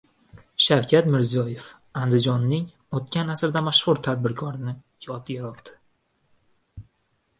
Shavkat Mirziyoyev Andijonning o‘tgan asrda mashhur tadbirkorini yodga oldi